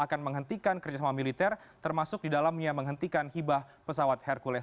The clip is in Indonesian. kerjasama militer termasuk di dalamnya menghentikan hibah pesawat hercules